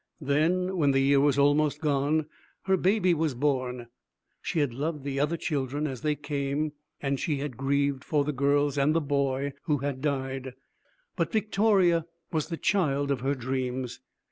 Then, when the year was almost gone, her baby was born. She had loved the other children as they came, and she had grieved for the girls and the boy who had died; but Victoria was the child of her dreams.